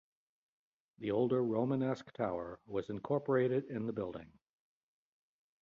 The older Romanesque Tower was incorporated in the building.